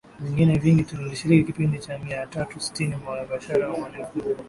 vingine vingi tu Nilishiriki kipindi cha mia tatu sitini mubashara Ni uaminifu mkubwa